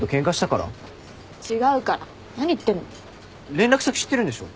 連絡先知ってるんでしょ。